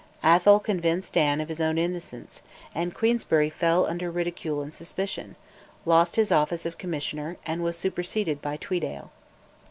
Atholl convinced Anne of his own innocence, and Queensberry fell under ridicule and suspicion, lost his office of Commissioner, and was superseded by Tweeddale.